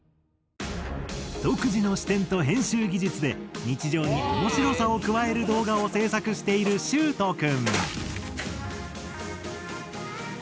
独自の視点と編集技術で日常に面白さを加える動画を制作しているしゅうと君。